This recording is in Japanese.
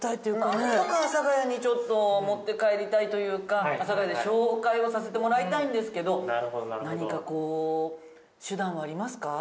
なんとか阿佐ヶ谷にちょっと持って帰りたいというか阿佐ヶ谷で紹介をさせてもらいたいんですけど何かこう手段はありますか？